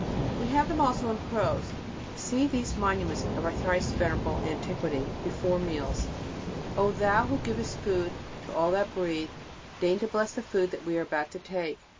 We have them also in prose. See these monuments of our thrice venerable antiquity. Before meals: "O Thou who givest food to all that breathe, deign to bless the food we are about to take.